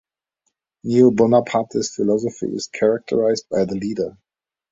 Neo-Bonapartist philosophy is characterized by the leader.